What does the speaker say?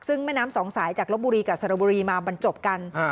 ซึ่งแม่น้ำสองสายจากลบบุรีกับสระบุรีมาบรรจบกัน